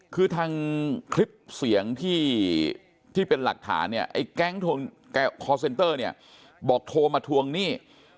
คือทางคลิปเสียงที่เป็นหลักฐานเนี่ยไอ้แก๊งคอร์เซนเตอร์เนี่ยบอกโทรมาทวงหนี้